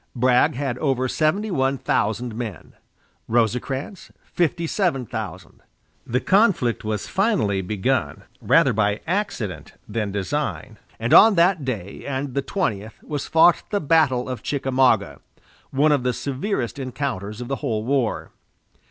Bragg had over seventy one thousand men; Rosecrans, fifty seven thousand. The conflict was finally begun, rather by accident than design, and on that day and the twentieth was fought the battle of Chickamauga, one of the severest encounters of the whole war.